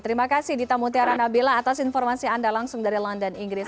terima kasih di tamu tiara nabila atas informasi anda langsung dari london inggris